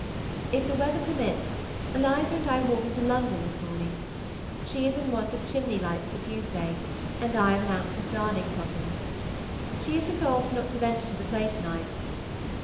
If the weather permits, Eliza and I walk into London this morning. She is in want of chimney lights for Tuesday, and I of an ounce of darning cotton. She has resolved not to venture to the play to night.